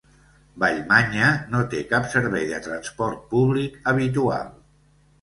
Vallmanya no té cap servei de transport públic habitual.